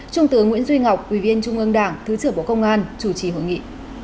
trung tướng nguyễn duy ngọc ủy viên trung ương đảng thứ trưởng bộ công an chủ trì hội nghị